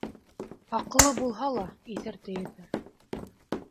Аҡылы булһа ла, иҫәр тиерҙәр.